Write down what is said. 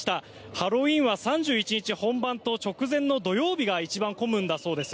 ハロウィーンは３１日本番と直前の土曜日が一番混むんだそうです。